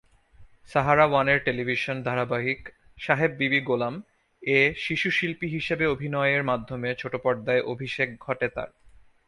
সাহারা ওয়ানের টেলিভিশন ধারাবাহিক "সাহেব বিবি গোলাম" এ শিশুশিল্পী হিসেবে অভিনয়ের মাধ্যমে ছোটপর্দায় অভিষেক ঘটে তার।